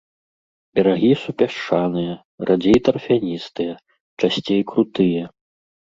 Берагі супясчаныя, радзей тарфяністыя, часцей крутыя.